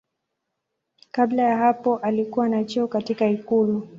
Kabla ya hapo alikuwa na cheo katika ikulu.